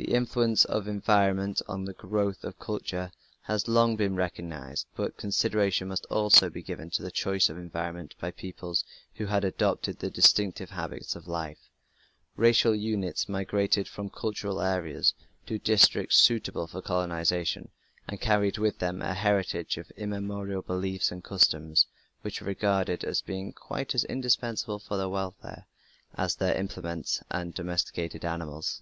The influence of environment on the growth of culture has long been recognized, but consideration must also be given to the choice of environment by peoples who had adopted distinctive habits of life. Racial units migrated from cultural areas to districts suitable for colonization and carried with them a heritage of immemorial beliefs and customs which were regarded as being quite as indispensable for their welfare as their implements and domesticated animals.